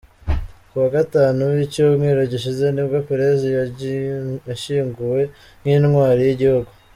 Kuwa Gatanu w’icyumweru gishize nibwo Peres yashyinguwe nk’intwari y’igihugu.